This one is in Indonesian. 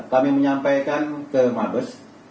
kami menyampaikan ke mabes